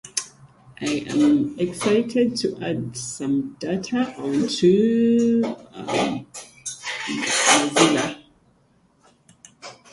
He is the co-author of "Popular Music and National Culture in Israel".